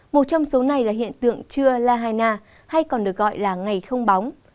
một trong số này là hiện tượng chưa lahaina hay còn được gọi là ngày không bóng